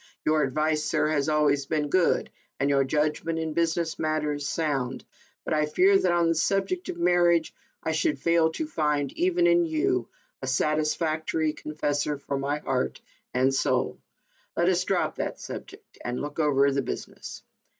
Your advice, sir, has always been good, and your judgment in business matters sound, but I fear that on the subject of marriage I should fail to^ find, even in you, a satisfactory confessor for my heart and soul. Let us drop that subject and look over the business."